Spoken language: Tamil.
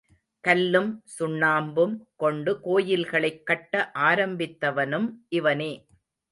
கல்லும் சுண்ணாம்பும் கொண்டு கோயில்களைக் கட்ட ஆரம்பித்தவனும் இவனே.